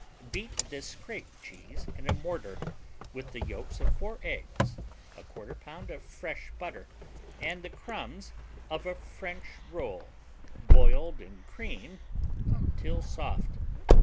Beat this scraped cheese in a mortar with the yolks of 4 eggs, 1/4 pound of fresh butter, and the crumbs of a French roll boiled in cream until soft.